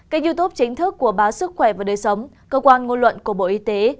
cách youtube chính thức của bá sức khỏe và đời sống cơ quan ngôn luận của bộ y tế